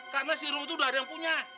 karena si ruh tuh udah ada yang punya